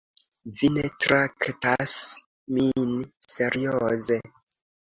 Vi ne traktas min serioze.